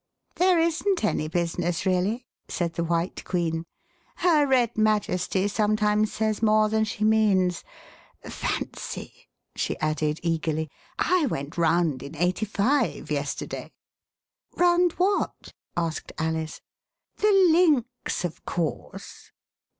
There isn't any business really," said the White Queen. Her Red Majesty sometimes says more than she means. Fancy," she added eagerly, I went round in 85 yesterday !"Round what }" asked Alice. The Links, of course."